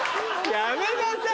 やめなさい！